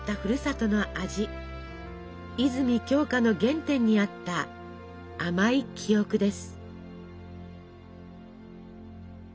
泉鏡花の原点にあった甘い記憶です。